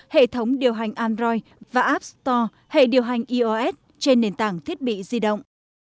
hệ thống điều hành android và app store hệ điều hành ios trên nền tảng thiết bị di động